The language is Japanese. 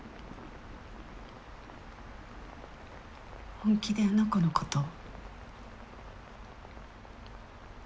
本気であの子のことを。